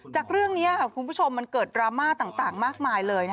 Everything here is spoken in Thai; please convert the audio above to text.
จากเรื่องนี้คุณผู้ชมมันเกิดดราม่าต่างมากมายเลย